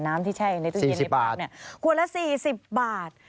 น้ำที่แช่ในตู้เย็นในภาพขวดละ๔๐บาท